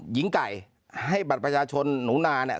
หญิงไก่ให้บัตรประชาชนหนูนาเนี่ย